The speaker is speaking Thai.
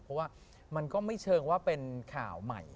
เพราะว่ามันก็ไม่เชิงว่าเป็นข่าวใหม่